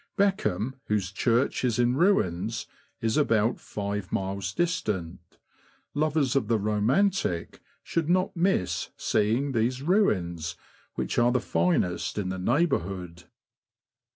Beckham, whose church is in ruins, is about five miles distant ; lovers of the romantic should not miss seeing these ruins, which are the finest in the neighbourhood.